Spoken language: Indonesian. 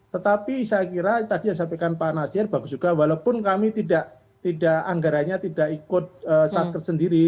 tetapi saya kira tadi yang disampaikan pak nasir bagus juga walaupun kami tidak anggaranya tidak ikut satker sendiri